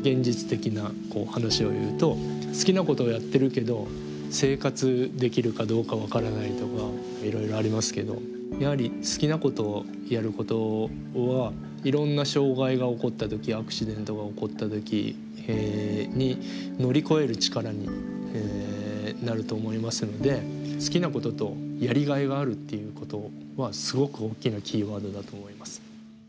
現実的な話を言うと好きなことをやってるけど生活できるかどうか分からないとかいろいろありますけどやはり好きなことをやることはいろんな障害が起こった時やアクシデントが起こった時に乗り越える力になると思いますので好きなこととやりがいがあるっていうことはすごく大きなキーワードだと思います。